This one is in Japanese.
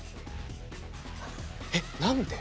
えっ？何で？